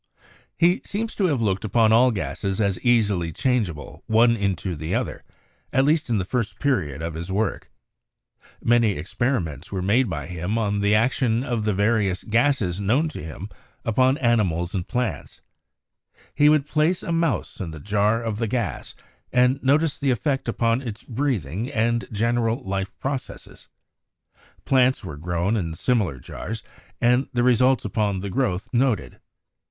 He seems to have looked upon all gases as easily changeable, one into the other, at least in the first period of his work. Many experiments were made by him on the action of the various gases known to him upon animals and plants. He would place a mouse in a jar of the gas, and notice the effect upon its breathing and general life processes. Plants were grown in similar jars, and the result upon the growth noted.